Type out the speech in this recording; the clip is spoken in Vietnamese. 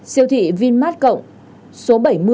siêu thị vinmart cộng số bảy